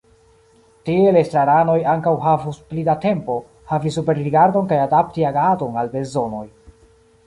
Tiel estraranoj ankaŭ havus pli da tempo, havi superrigardon kaj adapti agadon al bezonoj.